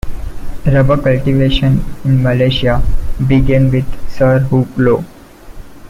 Rubber cultivation in Malaysia began with Sir Hugh Low.